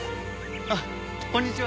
あっこんにちは。